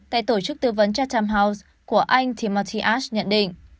tại tổ chức tư vấn chatham house của anh timothy ash nhận định